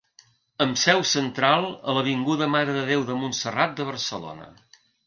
Amb seu central a l'avinguda Mare de Déu de Montserrat de Barcelona.